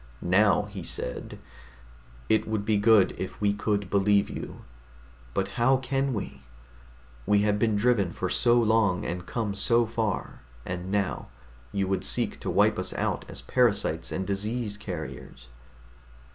Now he said, "It would be good if we could believe you. But how can we? We have been driven for so long and come so far, and now you would seek to wipe us out as parasites and disease carriers."